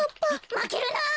まけるな！